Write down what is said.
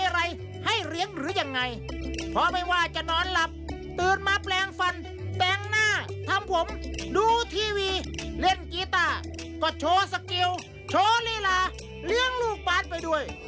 แต่งหน้าทำผมดูทีวีเล่นกีตาร์ก็โชว์สกิลโชว์ลีลาเลี้ยงลูกบาสไปด้วย